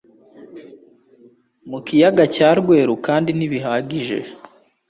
mu kiyaga cya Rweru kandi ntibihagije.